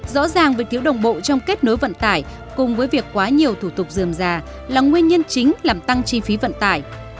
rõ ràng với thiếu đồng bộ trong kết nối vận tải cùng với việc quá nhiều thủ tục dườm già là nguyên nhân chính làm tăng chi phí vận tải